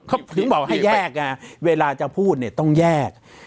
เขาถึงบอกให้แยกเวลาจะพูดเนี่ยต้องแยก